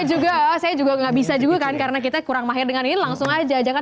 juga saya juga nggak bisa juga kan karena kita kurang mahir dengan ini langsung aja